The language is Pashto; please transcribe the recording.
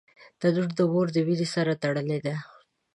تنور د مور د مینې سره تړلی دی